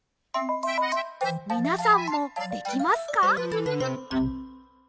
みなさんもできますか？